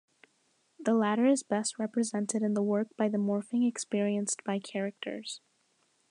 The latter is best represented in the work by the morphing experienced by characters.